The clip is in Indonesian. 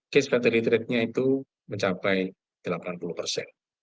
case fatality ratenya itu mencapai delapan puluh persen